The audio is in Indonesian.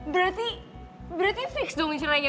berarti fix dong cerainya